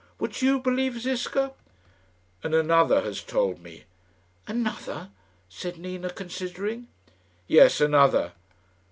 Would you believe Ziska?" "And another has told me." "Another?" said Nina, considering. "Yes, another."